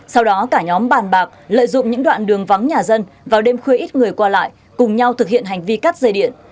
sau đó cả nhóm bàn bạc lợi dụng những đoạn đường vắng nhà dân vào đêm khuya ít người qua lại cùng nhau thực hiện hành vi cắt dây điện